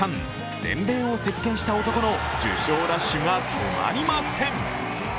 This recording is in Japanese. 全米を席けんした男の受賞ラッシュが止まりません。